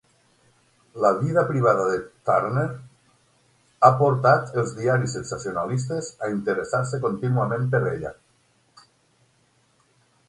La vida privada de Turner ha portar els diaris sensacionalistes a interessar-se contínuament per ella.